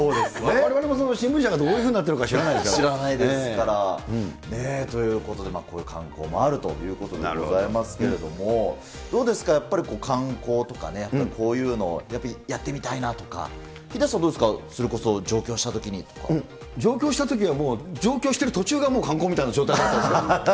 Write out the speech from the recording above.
われわれも新聞社がどういうふうになってるか知らないですか知らないですからね、ということで、こういう観光もあるということでございますけれども、どうですか、やっぱり、観光とかね、こういうのをやってみたいなとか、ヒデさん、どうですか、それこそ上京したときは、もう上京してる途中がもう観光みたいな状態だったですから。